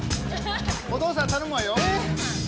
お父さん頼むわよ！